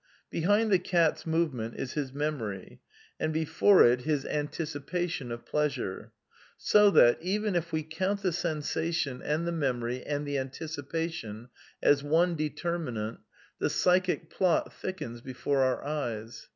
Behind the cat's movement is his memory, and before it his anticipa 102 A DEFENCE OF IDEALISM tion of pleasure; so that, even if we count the sensation and the memory and the anticipation as one determinant, the psychic plot thickens before our eyes.